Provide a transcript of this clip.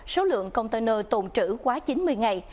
số lượng container tồn trữ quá chín mươi ngày